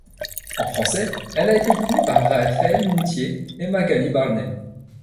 En français, elle a été doublée par Rafaele Moutier et Magali Barney.